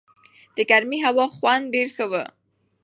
د ګرمې هلوا خوند ډېر ښه و.